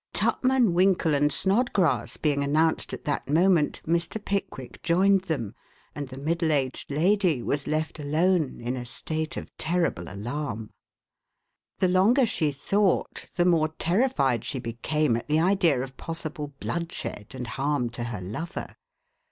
Tupman, Winkle and Snodgrass being announced at that moment, Mr. Pickwick joined them, and the middle aged lady was left alone in a state of terrible alarm. The longer she thought the more terrified she became at the idea of possible bloodshed and harm to her lover.